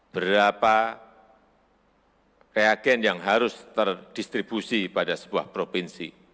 berapa reagen yang harus terdistribusi pada sebuah provinsi